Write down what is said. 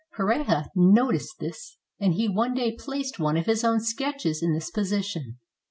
Pareja noticed this; and he one day placed one of his own sketches in this position.